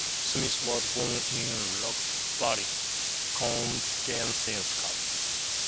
Smith was born in Roxbury, Connecticut.